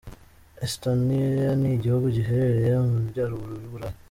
Estonia ni igihugu giherereye mu majyaruguru y’Uburayi.